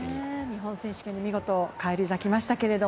日本選手権で見事返り咲きましたけど。